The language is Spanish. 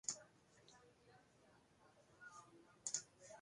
A pesar de su gran tamaño, son relativamente pocas las islas interiores.